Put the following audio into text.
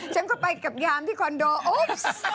ฉันก็ไปกับยามที่คอนโดอุ้ม